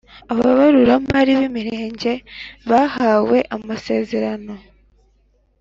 Ababaruramari b imirenge bahawe amasezerano